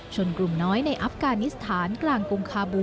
กลุ่มน้อยในอัฟกานิสถานกลางกรุงคาบู